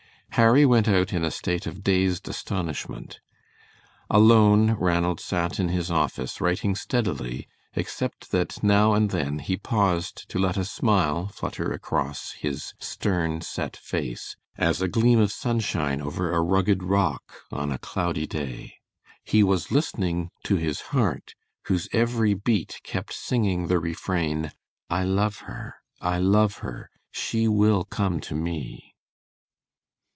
Harry went out in a state of dazed astonishment. Alone Ranald sat in his office writing steadily except that now and then he paused to let a smile flutter across his stern, set face, as a gleam of sunshine over a rugged rock on a cloudy day. He was listening to his heart, whose every beat kept singing the refrain, "I love her, I love her; she will come to me!"